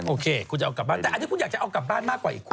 โอเคคุณจะเอากลับบ้านแต่อันนี้คุณอยากจะเอากลับบ้านมากกว่าอีกคน